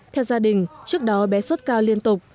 theo gia đình trước đó bé sốt cao liên tục